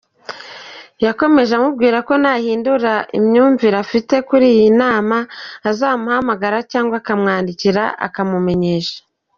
Yakomeje amubwira ko nahindura imyumvire afite kuri iyi nama azamuhamagara cyangwa akamwandikira akamumenyesha.